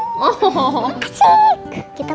terima kasih kakak